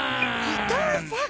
お父さん！